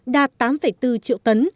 đạt tám bốn triệu đô la mỹ